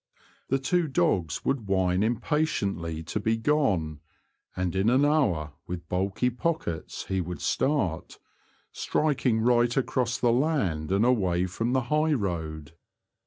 The two dogs would whine impatiently to be gone, and in an hour, with bulky pockets, he would start, striking right across the land and away from the high road.